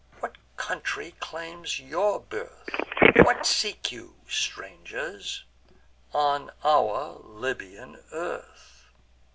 what country claims your birth? What seek you, strangers, on our Libyan earth?"